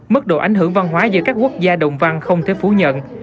mức độ ảnh hưởng văn hóa giữa các quốc gia đồng văn không thể phủ nhận